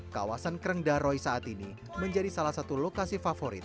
kawasan kreng daroy saat ini menjadi salah satu lokasi favorit